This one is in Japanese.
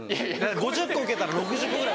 ５０個受けたら６０個ぐらい。